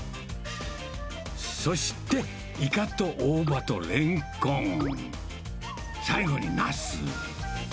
そしてイカと大葉とレンコン、最後にナス。